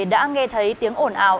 đã nghe thấy tiếng ồn ảo